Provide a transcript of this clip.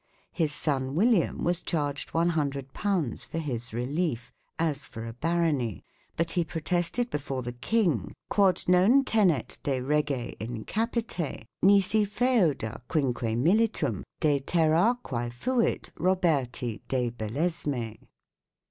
His son William was charged 100 for his relief, as for a "barony," but he protested before the King "quod non tenet de Rege in capite nisi feoda v militum de terra quae fuit Roberti de Belesme